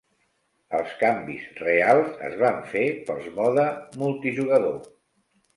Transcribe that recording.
Els canvis reals es van fer pels mode multijugador.